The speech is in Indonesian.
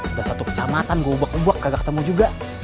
udah satu kecamatan gue ubak ubak kagak ketemu juga